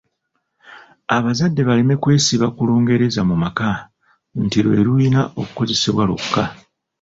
Abazadde baleme kwesiba ku Lungereza mu maka nti lwe lulina okukozesebwa lwokka.